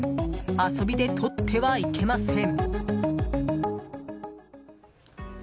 遊びでとってはいけません。